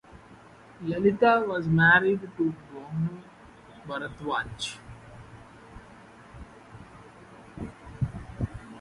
Lalitha was married to Bhanu Bharadwaj.